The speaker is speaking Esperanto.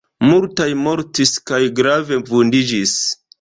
Multaj mortis kaj grave vundiĝis.